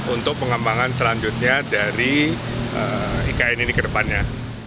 untuk pengembangan selanjutnya dari ikn ini ke depannya